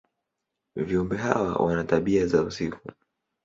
Viumbe hawa wana tabia za usiku.